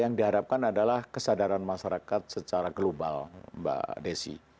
yang diharapkan adalah kesadaran masyarakat secara global mbak desi